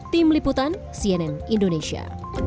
tim liputan cnn indonesia